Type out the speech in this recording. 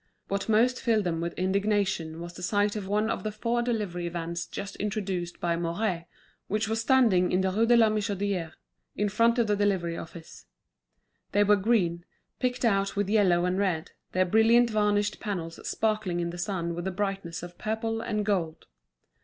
What most filled them with indignation was the sight of one of the four delivery vans just introduced by Mouret, which was standing in the Rue de la Michodière, in front of the delivery office. They were green, picked out with yellow and red, their brilliantly varnished panels sparkling in the sun with the brightness of purple and gold.